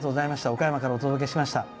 岡山からお届けしました。